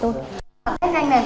test nhanh này